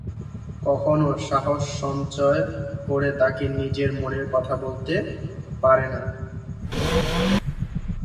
কখনও সাহস সঞ্চয় করে তাকে নিজের মনের কথা বলতে পারে না।